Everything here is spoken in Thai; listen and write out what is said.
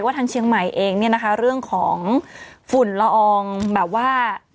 ทางเชียงใหม่เองเนี่ยนะคะเรื่องของฝุ่นละอองแบบว่า